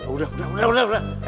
udah udah udah udah